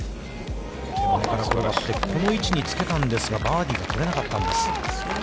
この位置につけたんですが、バーディーが取れなかったんです。